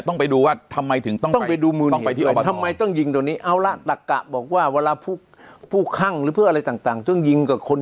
ต้องไปดูว่าทำไมต้องไปที่อบตรอน